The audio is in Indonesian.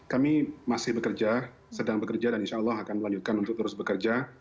kami masih bekerja sedang bekerja dan insya allah akan melanjutkan untuk terus bekerja